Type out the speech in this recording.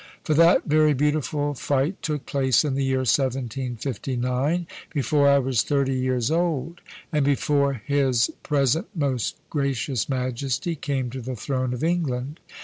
For that very beautiful fight took place in the year 1759, before I was thirty years old, and before his present most gracious Majesty came to the throne of England.